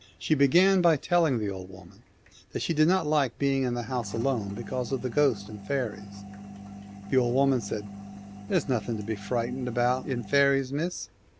She began by telling the old woman that she did not like being in the house alone because of the ghosts and fairies ; and the old woman said, * There's nothing to be frightened about in faeries, miss.